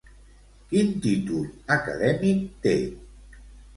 Quin títol acadèmic té?